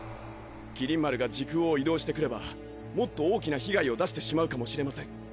麒麟丸が時空を移動してくればもっと大きな被害を出してしまうかもしれません。